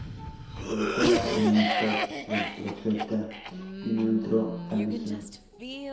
Provocó la enemistad del Profeta y no entró al Islam.